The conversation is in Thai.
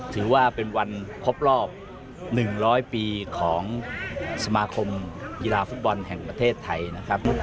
ถือว่าเป็นวันครบรอบ๑๐๐ปีของสมาคมกีฬาฟุตบอลแห่งประเทศไทยนะครับ